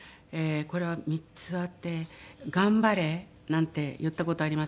これは３つあって「頑張れ」なんて言った事ありません。